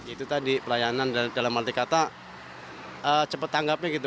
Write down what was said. itu tadi pelayanan dalam arti kata cepat tanggapnya gitu